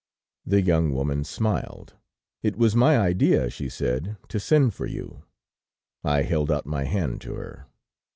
"The young woman smiled. "'It was my idea,' she said, 'to send for you.' "I held out my hand to her.